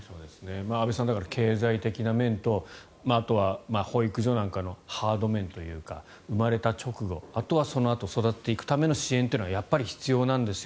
安部さんだから、経済的な面とあとは保育所なんかのハード面というか生まれた直後あとはそのあと育てていくための支援というのはやっぱり必要なんですよ